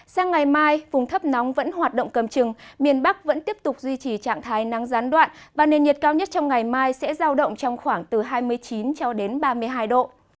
sang ngày mai vùng thấp nóng vẫn hoạt động cầm trừng miền bắc vẫn tiếp tục duy trì trạng thái nắng gián đoạn và nền nhiệt cao nhất trong ngày mai sẽ giao động trong khoảng từ hai mươi chín cho đến ba mươi hai độ